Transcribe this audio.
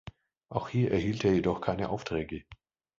Auch hier erhielt er jedoch keine Aufträge.